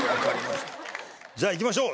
じゃあいきましょう。